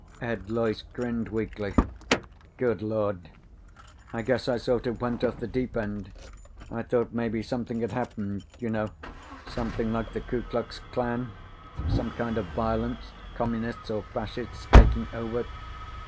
Ed Loyce grinned weakly. "Good Lord. I guess I sort of went off the deep end. I thought maybe something had happened. You know, something like the Ku Klux Klan. Some kind of violence. Communists or Fascists taking over."